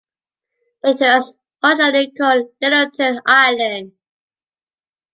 It was originally called Littleton Island.